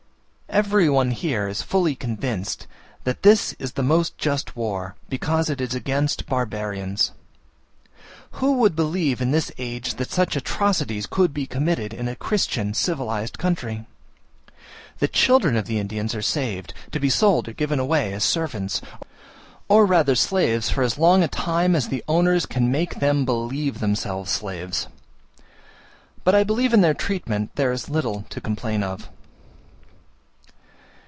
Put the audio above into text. Every one here is fully convinced that this is the most just war, because it is against barbarians. Who would believe in this age that such atrocities could be committed in a Christian civilized country? The children of the Indians are saved, to be sold or given away as servants, or rather slaves for as long a time as the owners can make them believe themselves slaves; but I believe in their treatment there is little to complain of.